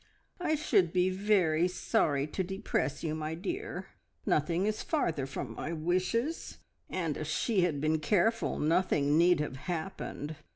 "I should be very sorry to depress you, my dear. Nothing is farther from my wishes, and if she had been careful nothing need have happened.